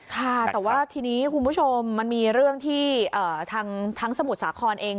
ค่ะแต่ว่าทีนี้คุณผู้ชมมันมีเรื่องที่ทั้งสมุทรสาครเอง